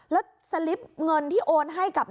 แล้วสลิปเงินที่โอนให้กับ